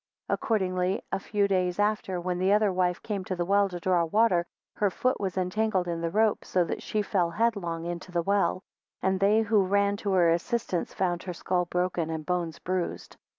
13 Accordingly a few days after, when the other wife came to the well to draw water, her foot was entangled in the rope, so that she fell headlong into the well, and they who ran to her assistance found her skull broken, and bones bruised.